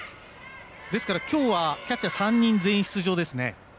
ですからきょうはキャッチャー３人全員出場ですね。